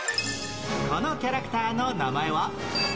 このキャラクターの名前は？